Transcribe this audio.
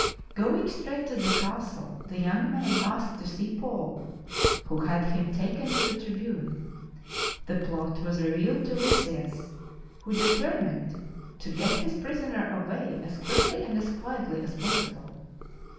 Going straight to the castle, the young man asked to see Paul, who had him taken to the tribune. The plot was revealed to Lysias, who determined to get his prisoner away as quickly and as quietly as possible.